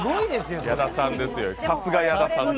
さすが矢田さんです。